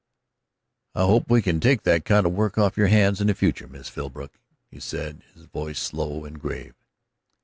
"I hope we can take that kind of work off your hands in the future, Miss Philbrook," he said, his voice slow and grave.